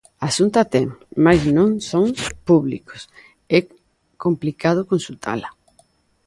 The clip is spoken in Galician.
A Xunta ten, mais non son públicos, é complicado consultala.